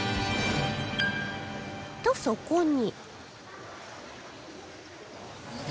とそこに